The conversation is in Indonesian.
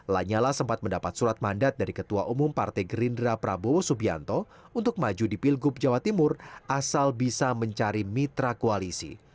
lanyala sempat mendapat surat mandat dari ketua umum partai gerindra prabowo subianto untuk maju di pilgub jawa timur asal bisa mencari mitra koalisi